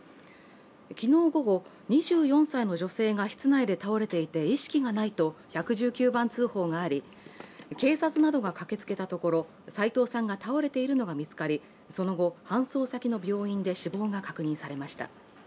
昨日午後、２４歳の女性が室内で倒れていて意識がないと１１９番通報があり警察などが駆けつけたところ、斎藤さんが倒れているのが見つかりその後搬送先の病院で死亡が確認されました。